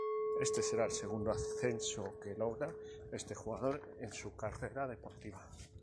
Este será el segundo ascenso que logra este jugador en su carrera deportiva.